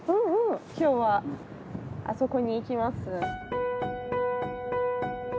今日はあそこに行きます。